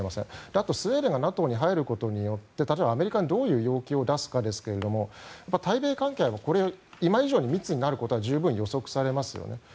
あとスウェーデンがＮＡＴＯに入ることによってアメリカにどういう要求を出すかですが対米関係は今以上に密になることは十分予測されますよね。